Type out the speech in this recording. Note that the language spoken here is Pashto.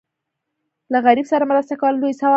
له غریب سره مرسته کول لوی ثواب لري.